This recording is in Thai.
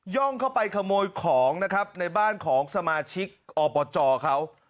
่องเข้าไปขโมยของนะครับในบ้านของสมาชิกอบจเขา